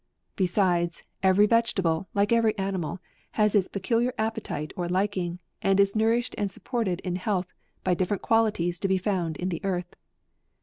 Besides, every vegetable, like every animal, has its peculiar appetence or liking, and is nourished and supported in health by different qualities to be found in the earth.